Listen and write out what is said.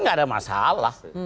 gak ada masalah